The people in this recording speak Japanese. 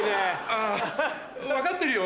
あぁ分かってるよ